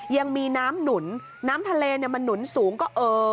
ยังมีน้ำหนุนน้ำทะเลเนี่ยมันหนุนสูงก็เออ